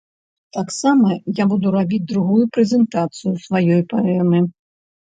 Таксама я буду рабіць другую прэзентацыю сваёй паэмы.